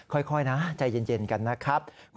ค่อยนะใจเย็นกันนะครับ